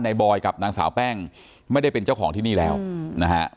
บอยกับนางสาวแป้งไม่ได้เป็นเจ้าของที่นี่แล้วนะฮะ